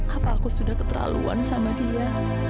apa aku sudah keterlaluan sama dia